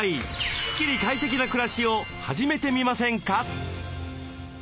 スッキリ快適な暮らしを始めてみませんか？